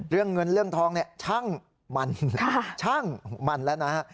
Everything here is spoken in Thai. เรื่องเงินเรื่องทองเนี่ยช่างมันช่างมันแล้วนะฮะ